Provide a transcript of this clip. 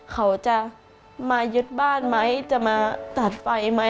เขาจะมายึดบ้านไหมจะมาตัดไฟไหม